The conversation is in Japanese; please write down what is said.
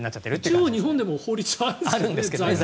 一応、日本でも法律はあるんですけどね。